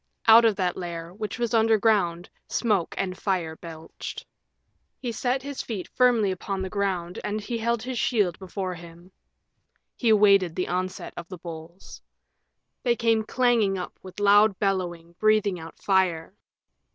Out of that lair, which was underground, smoke and fire belched. He set his feet firmly upon the ground and he held his shield before him. He awaited the onset of the bulls. They came clanging up with loud bellowing, breathing out fire.